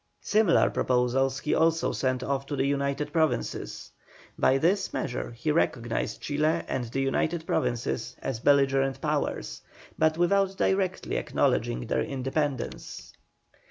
Similar proposals he also sent off to the United Provinces. By this measure he recognised Chile and the United Provinces as belligerent powers, but without directly acknowledging their independence.